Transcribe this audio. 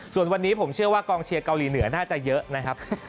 ส่วนวันนี้ผมเชื่อว่ากองเชียร์เกาหลีเหนือน่าจะเยอะนะครับ